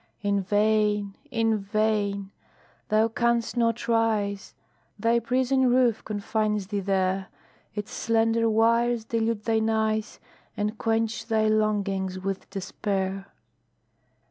In vain in vain! Thou canst not rise: Thy prison roof confines thee there; Its slender wires delude thine eyes, And quench thy longings with despair.